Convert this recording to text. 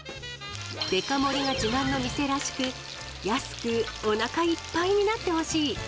デカ盛りが自慢の店らしく、安く、おなかいっぱいになってほしい。